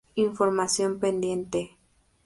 Información pendiente...